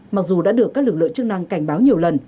mặc dù đã được các lực lượng chức năng cảnh báo nhiều lần